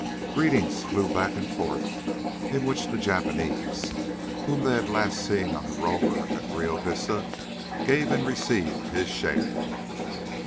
Greetings flew back and forth, in which the Japanese, whom they had last seen on the Roamer at Rio Vista, gave and received his share.